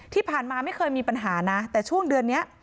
ที่ผ่านมาไม่เคยมีปัญหานะแต่ช่วงเดือนนี้